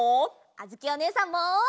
あづきおねえさんも！